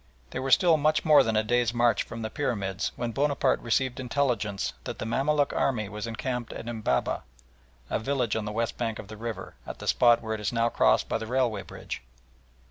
They were still much more than a long day's march from the pyramids when Bonaparte received intelligence that the Mamaluk army was encamped at Embabeh, a village on the west bank of the river, at the spot where it is now crossed by the railway bridge.